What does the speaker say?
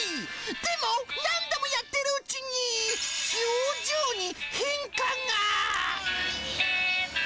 でも、何度もやってるうちに表情に変化が。